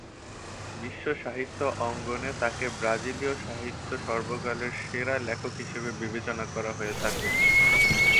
বৈশ্বিক সাহিত্য অঙ্গনে তাকে ব্রাজিলীয় সাহিত্যে সর্বকালের সেরা লেখক হিসেবে বিবেচনা করা হয়ে থাকে।